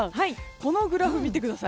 このグラフを見てください。